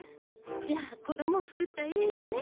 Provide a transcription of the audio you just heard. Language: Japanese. じゃあ子供を救った英雄ね